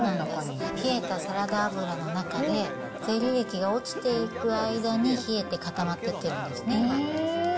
冷えたサラダ油の中で、ゼリー液が落ちていく間に冷えて固まってってるんですね。